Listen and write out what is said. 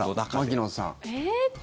牧野さん。